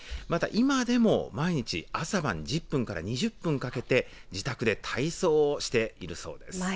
また、今でも毎日朝晩１０分から２０分かけて自宅で体操をしているそうです。